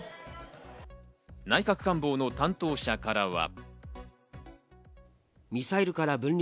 内閣官房の担当者からは。